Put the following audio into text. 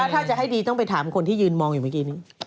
ถ้าจะให้ดีต้องไปถามคนที่ยืนมองอยู่เมื่อกี้นี้